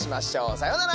さようなら。